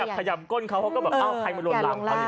เออจะพยมก้ญเขาก็ขยับลงหลั่งก็แบบอึ๊บ